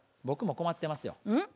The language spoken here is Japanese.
僕も困ってますよ。